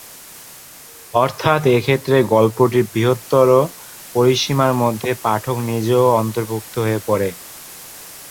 অর্থাৎ এক্ষেত্রে গল্পটির বৃহত্তর পরিসীমার মধ্যে পাঠক নিজেও অন্তর্ভুক্ত হয়ে পড়ে।